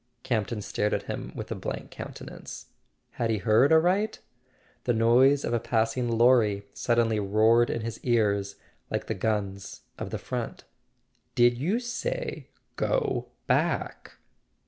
Campton stared at him with a blank countenance. Had he heard aright? The noise of a passing lorry suddenly roared in his ears like the guns of the front. "Did you say: go back?"